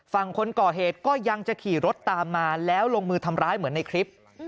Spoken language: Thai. ฝั่งคนก่อเหตุก็ยังจะขี่รถตามมาแล้วลงมือทำร้ายเหมือนในคลิป